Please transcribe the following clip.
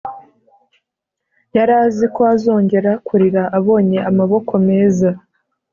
yari azi ko azongera kurira abonye amaboko meza,